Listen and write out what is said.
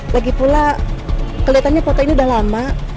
lagipula kelihatannya foto ini udah lama